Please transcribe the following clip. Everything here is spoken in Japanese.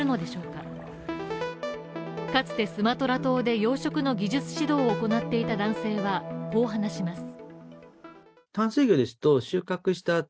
かつてスマトラ島で養殖の技術指導を行っていた男性はこう話します。